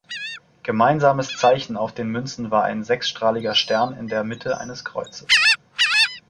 Gemeinsames Zeichen auf den Münzen war ein sechsstrahliger Stern in der Mitte eines Kreuzes.